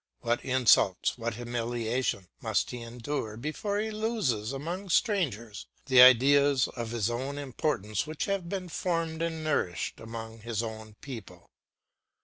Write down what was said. What insults, what humiliation, must he endure, before he loses among strangers the ideas of his own importance which have been formed and nourished among his own people!